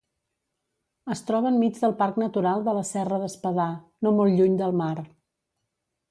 Es troba enmig del Parc Natural de la Serra d'Espadà, no molt lluny del mar.